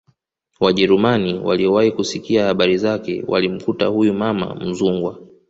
Wajerumani waliowahi kusikia habari zake walimkuta huyu mama Mzungwa